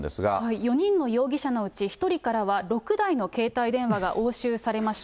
４人の容疑者のうち、１人からは６台の携帯電話が押収されました。